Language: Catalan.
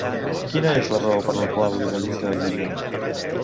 Quina és la raó per la qual li dedica el llibre?